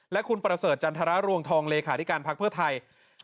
และคุณประเสริฐจันทรรวงทองเลขาธิการพักเพื่อไทย